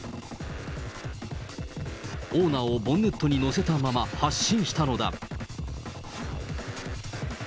オーナーをボンネットに乗せたまま発進したのだ。